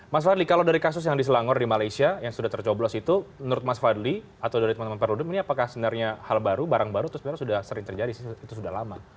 mas fadli kalau dari kasus yang diselangor di malaysia yang sudah tercoblos itu menurut mas fadli atau dari teman teman perludem ini apakah sebenarnya hal baru barang baru itu sebenarnya sudah sering terjadi itu sudah lama